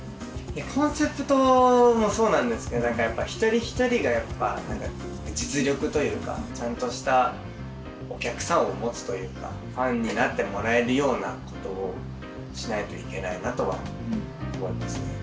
コンセプトもそうなんですけどやっぱ一人一人が実力というかちゃんとしたお客さんを持つというかファンになってもらえるようなことをしないといけないなとは思いますね。